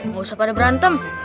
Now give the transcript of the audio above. gak usah pada berantem